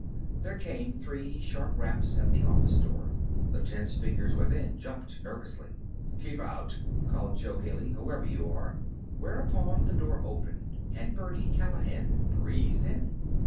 There came three sharp raps at the office door. The tense figures within jumped nervously. "Keep out!" called Jo Haley, "whoever you are." Whereupon the door opened and Birdie Callahan breezed in.